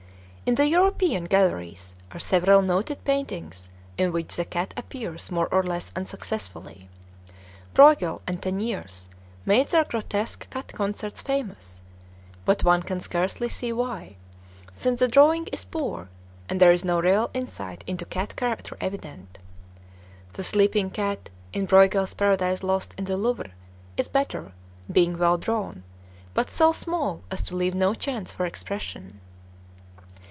In the European galleries are several noted paintings in which the cat appears more or less unsuccessfully. Breughel and Teniers made their grotesque "Cat Concerts" famous, but one can scarcely see why, since the drawing is poor and there is no real insight into cat character evident. The sleeping cat, in Breughel's "Paradise Lost" in the Louvre, is better, being well drawn, but so small as to leave no chance for expression.